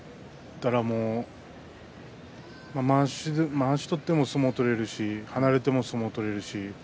まわしを取っても相撲を取れるし離れても相撲取れます。